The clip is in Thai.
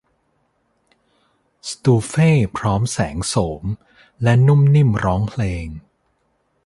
สตูเฟ่พร้อมแสงโสมและนุ่มนิ่มร้องเพลง